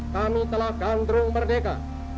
kami telah gaundrung merdeka